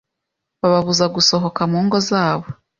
bababuza gusohoka mu ngo zabo